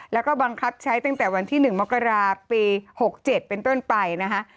แล้วก็บังคับใช้ตั้งแต่วันที่๑มกราปี๖๗เป็นต้นไปนะคะ